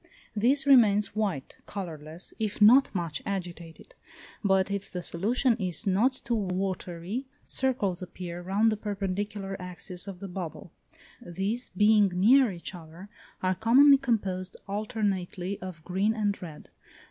This remains white (colourless) if not much agitated; but if the solution is not too watery, circles appear round the perpendicular axis of the bubble; these being near each other, are commonly composed alternately of green and red.